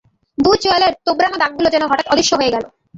দুই চোয়ালের তোবড়ানো দাগগুলো যেন হঠাৎ অদৃশ্য হয়ে গেল।